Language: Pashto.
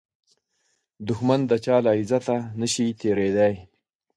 دښمن د چا له عزته نشي تېریدای